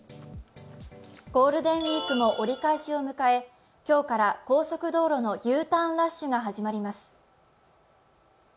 ゴールデンウイークも折り返しを迎え今日から高速道路のＵターンラッシュが始まります。